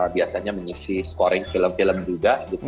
biasanya mengisi scoring film film juga